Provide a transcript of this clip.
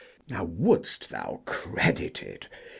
Now, wouldst thou credit it?